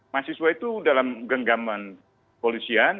mahasiswa itu dalam genggaman polisian